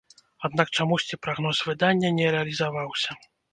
Аднак чамусьці прагноз выдання не рэалізаваўся.